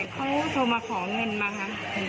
เขาโทรมาขอเงินมาคะ